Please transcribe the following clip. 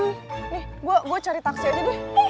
ini gue cari taksi aja deh